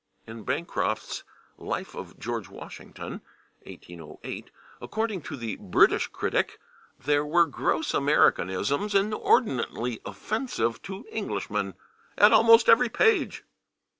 " In Bancroft's "Life of George Washington" [Pg039] (1808), according to the /British Critic/, there were gross Americanisms, inordinately offensive to Englishmen, "at almost every page."